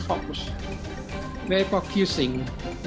kalo berpikir dengan berani